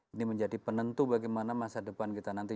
ini menjadi penentu bagaimana masa depan kita nanti